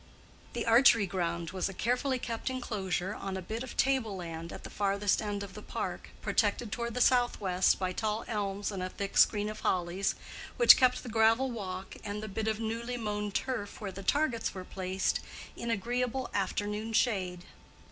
The archery ground was a carefully kept enclosure on a bit of table land at the farthest end of the park, protected toward the south west by tall elms and a thick screen of hollies, which kept the gravel walk and the bit of newly mown turf where the targets were placed in agreeable afternoon shade.